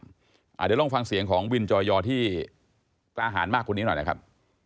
เดี๋ยวลองฟังเสียงของวินจอยอที่กล้าหารมากคนนี้หน่อยนะครับ